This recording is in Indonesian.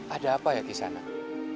ada apa ya kisah nak